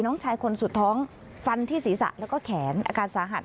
น้องชายคนสุดท้องฟันที่ศีรษะแล้วก็แขนอาการสาหัส